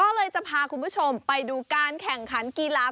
ก็เลยจะพาคุณผู้ชมไปดูการแข่งขันกีฬา